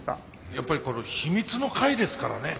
やっぱり秘密の会ですからね。